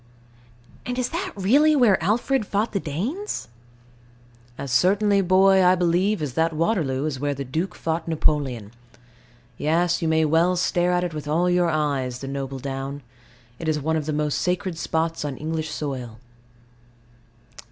And is that really where Alfred fought the Danes? As certainly, boy, I believe, as that Waterloo is where the Duke fought Napoleon. Yes: you may well stare at it with all your eyes, the noble down. It is one of the most sacred spots on English soil.